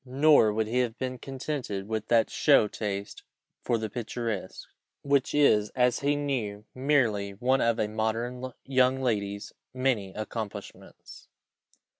Nor would he have been contented with that show taste for the picturesque, which is, as he knew, merely one of a modern young lady's many accomplishments.